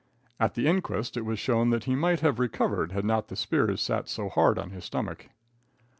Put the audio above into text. At the inquest it was shown that he might have recovered, had not the spears sat so hard on his stomach.